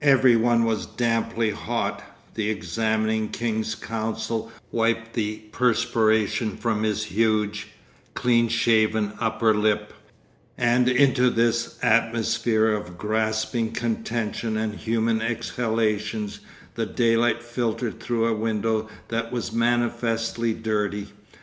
Every one was damply hot, the examining King's Counsel wiped the perspiration from his huge, clean shaven upper lip; and into this atmosphere of grasping contention and human exhalations the daylight filtered through a window that was manifestly dirty.